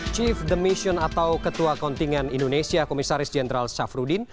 chief the mission atau ketua kontingen indonesia komisaris jenderal syafruddin